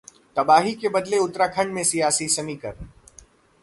तबाही ने बदले उत्तराखंड के सियासी समीकरण